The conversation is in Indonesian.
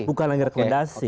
bukan lagi rekomendasi